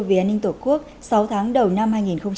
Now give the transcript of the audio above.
về an ninh tổ quốc sáu tháng đầu năm